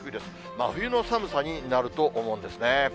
真冬の寒さになると思うんですね。